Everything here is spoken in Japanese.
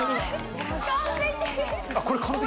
完璧。